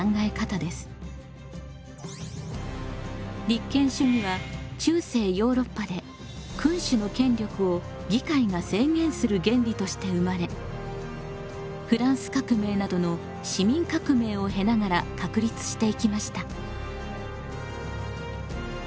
立憲主義は中世ヨーロッパで君主の権力を議会が制限する原理として生まれフランス革命などの市民革命を経ながら確立していきました。